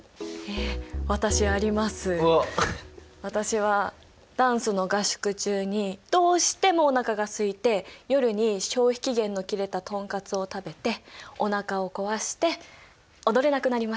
私はダンスの合宿中にどうしてもおなかがすいて夜に消費期限の切れたトンカツを食べておなかを壊して踊れなくなりました。